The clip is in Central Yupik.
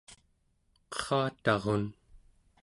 qerratarun